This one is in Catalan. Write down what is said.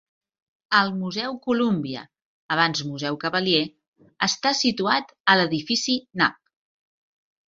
El Museu Columbia, abans Museu Cavalier, està situat a l'edifici Knapp.